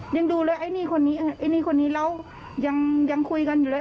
ยังดูเลยไอ้นี่คนนี้ไอ้นี่คนนี้แล้วยังคุยกันอยู่เลย